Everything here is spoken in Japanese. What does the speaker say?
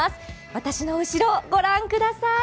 私の後ろ、御覧ください。